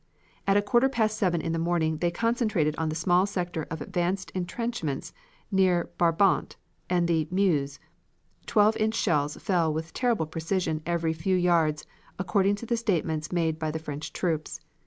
At a quarter past seven in the morning they concentrated on the small sector of advanced intrenchments near Brabant and the Meuse; twelve inch shells fell with terrible precision every few yards, according to the statements made by the French troops.